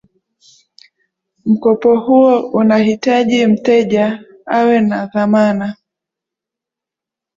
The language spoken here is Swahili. mkopo huo unahiji mteja awe na dhamana